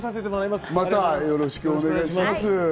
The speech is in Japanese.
またよろしくお願いします。